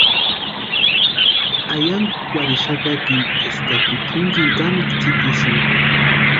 Eyankukwarhixakakini eska tʼunkini kanikwa tsítisïnka.